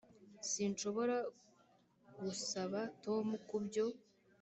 sinshobora gusaba tom kubyo